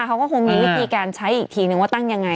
เขาก็คงมีวิธีการใช้อีกทีหนึ่งว่าตั้งอย่างไรเนอะ